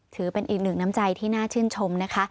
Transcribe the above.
ถือเป็นอีกหนึ่งน้ำใจที่น่าชื่นชมนะคะ